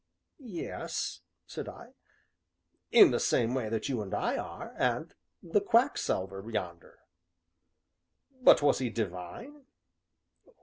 "Yes," said I, "in the same way that you and I are, and the Quack salver yonder." "But was He divine?"